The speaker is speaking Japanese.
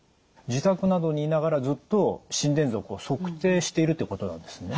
自宅などにいながらずっと心電図を測定しているということなんですね。